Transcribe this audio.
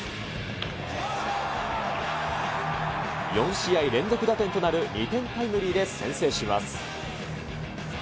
４試合連続打点となる２点タイムリーで先制します。